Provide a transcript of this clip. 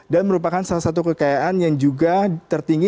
dan merupakan salah satu kekayaan yang juga tertinggi